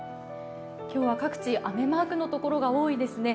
今日は各地、雨マークの所が多いですね。